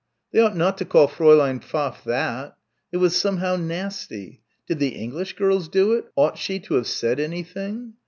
They ought not to call Fräulein Pfaff that. It was, somehow, nasty. Did the English girls do it? Ought she to have said anything?